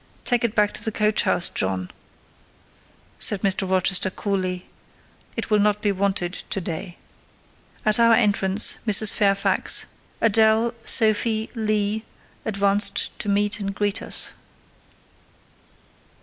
"Take it back to the coach house, John," said Mr. Rochester coolly; "it will not be wanted to day." At our entrance, Mrs. Fairfax, Adèle, Sophie, Leah, advanced to meet and greet us.